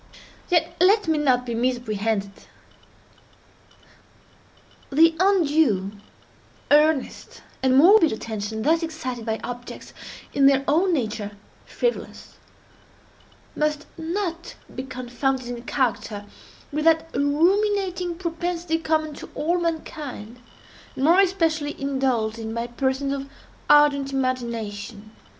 Yet let me not be misapprehended. The undue, earnest, and morbid attention thus excited by objects in their own nature frivolous, must not be confounded in character with that ruminating propensity common to all mankind, and more especially indulged in by persons of ardent imagination.